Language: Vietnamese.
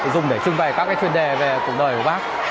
dùng để trưng bày các chuyên đề về cuộc đời của bác